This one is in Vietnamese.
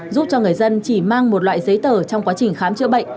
giúp cho người dân chỉ mang một loại giấy tờ trong quá trình khám chữa bệnh